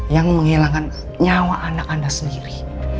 yang menghilangkan nyawa anak anda sendiri